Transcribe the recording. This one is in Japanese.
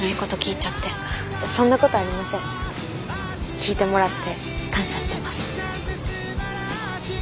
聞いてもらって感謝してます。